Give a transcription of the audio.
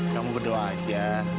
kamu berdoa aja